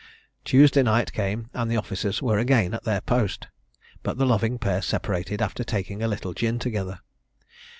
Tuesday night came, and the officers were again at their post; but the loving pair separated after taking a little gin together.